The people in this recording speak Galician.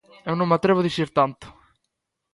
Eu non me atrevo a dicir tanto.